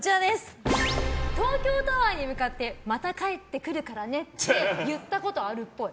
東京タワーに向かってまた帰ってくるからねって言ったことがあるっぽい。